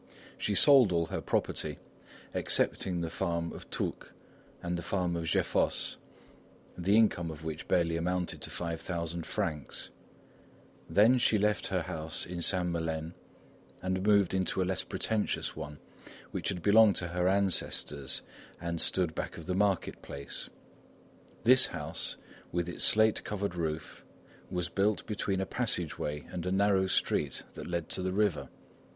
She sold all her property excepting the farm of Toucques and the farm of Geffosses, the income of which barely amounted to 5,000 francs; then she left her house in Saint Melaine, and moved into a less pretentious one which had belonged to her ancestors and stood back of the market place. This house, with its slate covered roof, was built between a passage way and a narrow street that led to the river.